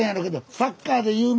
サッカーね。